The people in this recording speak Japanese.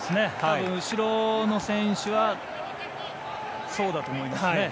後ろの選手はそうだと思いますね。